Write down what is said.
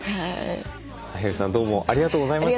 サヘルさんどうもありがとうございました。